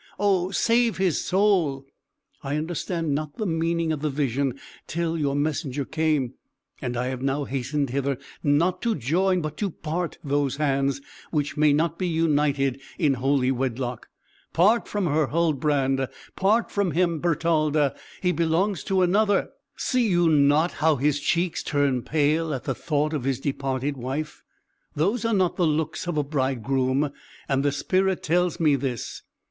Oh save his soul!' I understood not the meaning of the vision till your messenger came; and I have now hastened hither, not to join but to part those hands, which may not be united in holy wedlock. Part from her, Huldbrand! Part from him, Bertalda! He belongs to another; see you not how his cheek turns pale at the thought of his departed wife? Those are not the looks of a bridegroom, and the spirit tells me this.